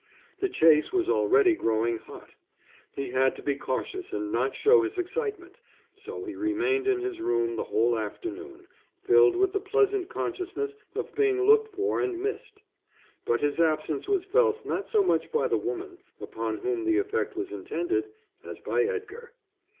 The chase was already growing hot. He had to be cautious and not show his excitement. So he remained in his room the whole afternoon, filled with the pleasant consciousness of being looked for and missed. But his absence was felt not so much by the woman, upon whom the effect was intended, as by Edgar.